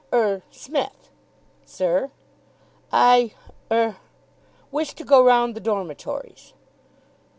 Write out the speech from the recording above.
"Er Smith!" "Sir?" "I er wish to go round the dormitories."